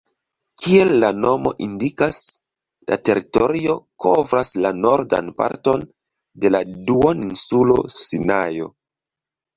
Kiel la nomo indikas, la teritorio kovras la nordan parton de la duoninsulo Sinajo.